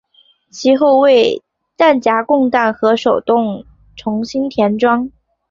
其为弹匣供弹和手动重新装填。